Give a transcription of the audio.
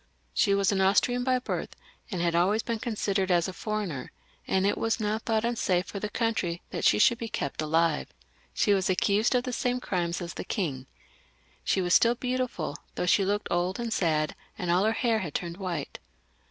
She was an Austrian by birth, and had always been considered as a foreigner, and it was now thought unsafe for the country that she should be kept alive. She was accused of the same crimes as the king. She was stiU beautiful, though she looked old and sad, and aU her hair had turned white.